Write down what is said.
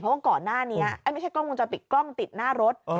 เพราะว่าก่อนหน้านี้ไม่ใช่กล้องวงจรปิดกล้องติดหน้ารถ